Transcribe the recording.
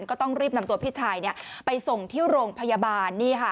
ก็ต้องรีบนำตัวพี่ชายไปส่งที่โรงพยาบาล